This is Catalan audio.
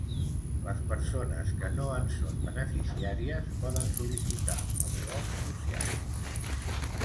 Les persones que no en són beneficiàries poden sol·licitar el bo social.